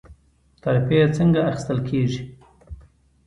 ترفیع څنګه اخیستل کیږي؟